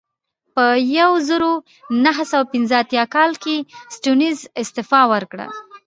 په یوه زرو نهه سوه پنځه اتیا کال کې سټیونز استعفا ورکړه.